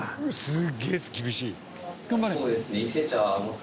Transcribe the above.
すげえ厳しい！